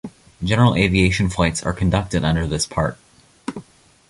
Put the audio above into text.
General aviation flights are conducted under this part.